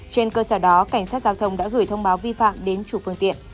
trên cơ sở đó cảnh sát giao thông đã gửi thông báo vi phạm đến chủ phương tiện